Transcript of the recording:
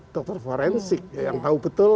dokter forensik yang tahu betul